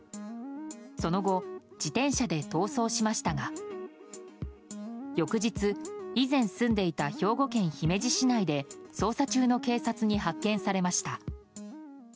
その後、自転車で逃走しましたが翌日、以前住んでいた兵庫県姫路市内で捜査中の警察に発見されました。